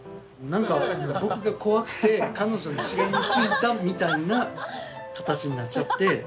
なんか僕が怖くて彼女にしがみついたみたいな形になっちゃって。